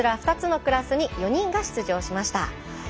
２つのクラスに４人が出場しました。